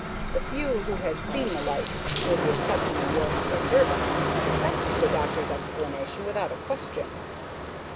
The few who had seen the light, with the exception of your humble servant, accepted the doctor's explanation without a question.